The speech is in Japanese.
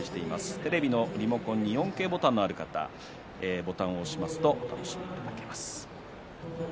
テレビのリモコンに４Ｋボタンがある方はボタンを押しますとお楽しみいただけます。